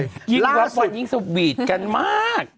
จริงยิ่งรับมั่นยิ่งสวีทกันมาก